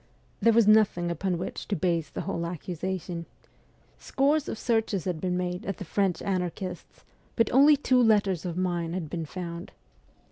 There was nothing upon which to base the whole accusation. Scores of searches had been made at the WESTERN EUROPE 265 French anarchists', but only two letters of mine had been found.